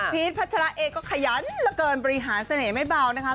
พีชพัชราเอ็กก็ขยันละเกินบริหารเสน่ห์ไม่เบานะครับ